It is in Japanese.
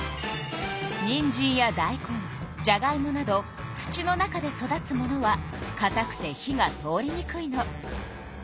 にんじんやだいこんじゃがいもなど土の中で育つものはかたくて火が通りにくいの。